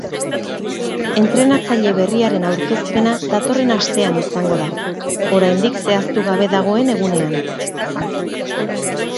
Entrenatzaile berriaren aurkezpena datorren astean izango da, oraindik zehaztu gabe dagoen egunean.